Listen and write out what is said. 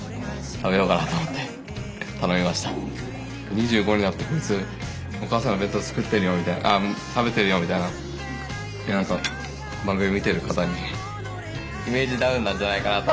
２５になってこいつお母さんの弁当食べてるよみたいな何か番組見てる方にイメージダウンなんじゃないかなと。